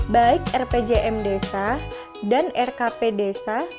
baik rpjm desa dan rkp desa